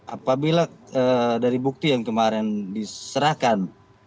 apabila dari bukti yang kemarin diserahkan